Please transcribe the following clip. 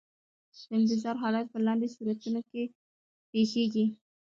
د انتظار حالت په لاندې صورتونو کې پیښیږي.